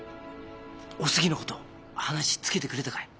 お杉の事話つけてくれたかい？